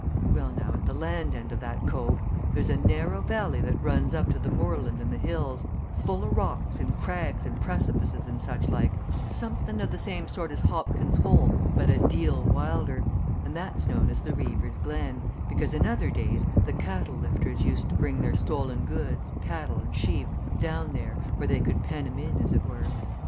Well, now, at the land end of that cove there's a narrow valley that runs up to the moorland and the hills, full o' rocks and crags and precipices and such like something o' the same sort as Hobkin's Hole but a deal wilder, and that's known as the Reaver's Glen, because in other days the cattle lifters used to bring their stolen goods, cattle and sheep, down there where they could pen 'em in, as it were.